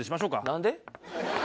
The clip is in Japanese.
何で？